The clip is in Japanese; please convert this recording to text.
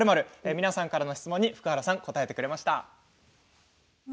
皆さんの質問に福原さんが答えてくれました。